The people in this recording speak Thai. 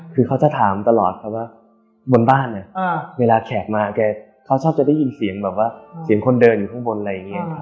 คือเขาจะถามตลอดครับว่าบนบ้านเวลาแขกมาแกเขาชอบจะได้ยินเสียงแบบว่าเสียงคนเดินอยู่ข้างบนอะไรอย่างนี้